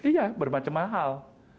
iya bermacam hal